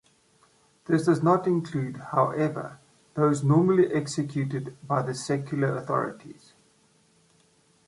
This does not include, however, those normally executed by the secular authorities.